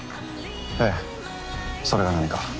ええそれが何か？